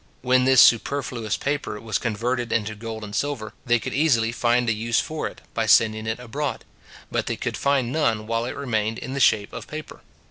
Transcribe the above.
When this superfluous paper was converted into gold and silver, they could easily find a use for it, by sending it abroad; but they could find none while it remained in the shape of paper.